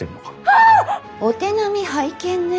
は！お手並み拝見ね。